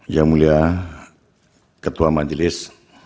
yang mulia ketua majelis